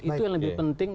itu yang lebih penting